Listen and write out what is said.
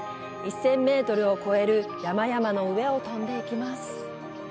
１０００メートルを超える山々の上を飛んで行きます。